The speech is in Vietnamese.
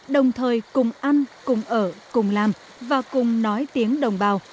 đồng thời cùng ăn cùng ở cùng làm và cùng nói tiếng đồng bào